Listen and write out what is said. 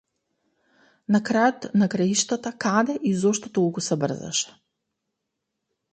На крајот на краиштата, каде и зошто толку се брзаше?